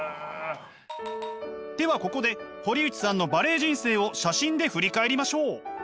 ではここで堀内さんのバレエ人生を写真で振り返りましょう！